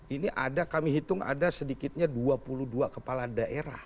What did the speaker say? ini ada kami hitung ada sedikitnya dua puluh dua kepala daerah